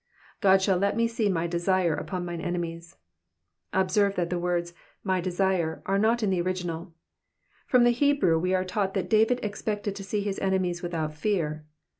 ^^Ood shaU let me see my desire upon mine enemies.'*'' Observe that the words, my desire^^^* are not in the original. From the Hebrew we are taught that David expected to see his enemies without fear.